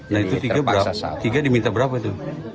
nah itu tiga diminta berapa itu